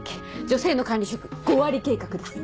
女性の管理職５割計画です。